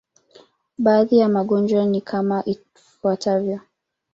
Baadhi ya magonjwa ni kama ifuatavyo.